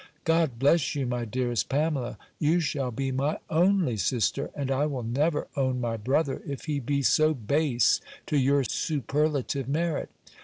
God bless you, my dearest Pamela! You shall be my only sister. And I will never own my brother, if he be so base to your superlative merit.